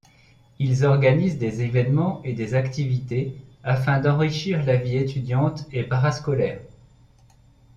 Ils organisent des événements et des activités afin d'enrichir la vie étudiante et parascolaire.